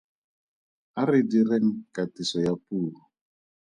A re direng katiso ya puo.